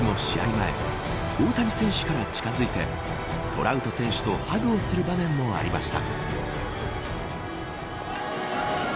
前大谷選手から近づいてトラウト選手とハグをする場面もありました。